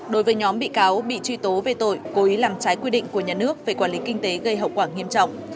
đối với nhóm bị cáo bị truy tố về tội cố ý làm trái quy định của nhà nước về quản lý kinh tế gây hậu quả nghiêm trọng